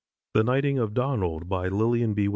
THE KNIGHTING OF DONALD LILLIAN B.